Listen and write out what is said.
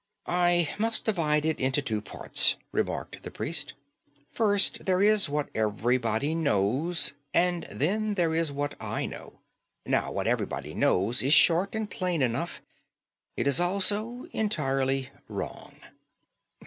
"I must divide it into two parts," remarked the priest. "First there is what everybody knows; and then there is what I know. Now, what everybody knows is short and plain enough. It is also entirely wrong."